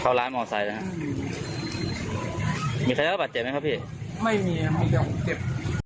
เข้าร้านเหมาะใสนะฮะมีใครรับบัตรเจ็บไหมครับพี่ไม่มีครับเดี๋ยวเจ็บ